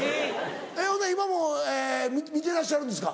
ほな今も見てらっしゃるんですか？